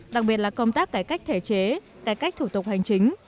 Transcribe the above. đặc biệt là công tác cải cách thể chế cải cách thủ tục hành chính